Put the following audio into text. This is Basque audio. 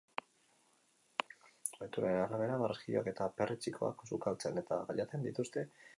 Ohituraren arabera, barraskiloak eta perretxikoak sukaltzen eta jaten dituzte zelai horietan.